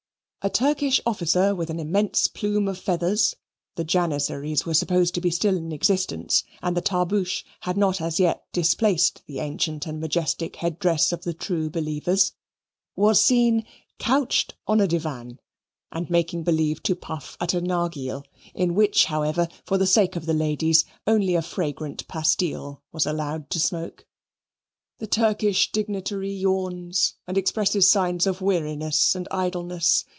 A Turkish officer with an immense plume of feathers (the Janizaries were supposed to be still in existence, and the tarboosh had not as yet displaced the ancient and majestic head dress of the true believers) was seen couched on a divan, and making believe to puff at a narghile, in which, however, for the sake of the ladies, only a fragrant pastille was allowed to smoke. The Turkish dignitary yawns and expresses signs of weariness and idleness.